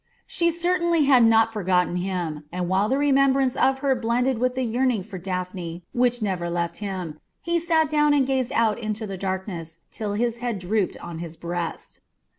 She certainly had not forgotten him, and while the remembrance of her blended with the yearning for Daphne which never left him, he sat down and gazed out into the darkness till his head drooped on his breast.